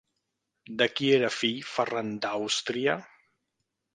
De qui era fill Ferran d'Àustria?